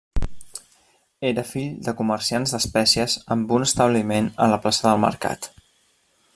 Era fill de comerciants d'espècies amb un establiment a la plaça del Mercat.